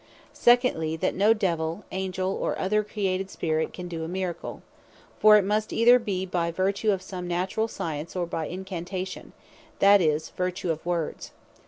Secondly, that no Devil, Angel, or other created Spirit, can do a Miracle. For it must either be by vertue of some naturall science, or by Incantation, that is, vertue of words.